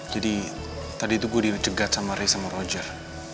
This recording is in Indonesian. jadi tadi itu gue di cegat sama rey sama roger